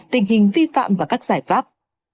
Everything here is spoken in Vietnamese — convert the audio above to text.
tình hình vi phạm và các giải pháp